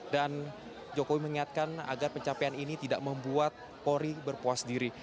dan jokowi mengingatkan agar pencapaian ini tidak membuat polri berpuas diri